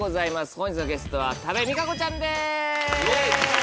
本日のゲストは多部未華子ちゃんです。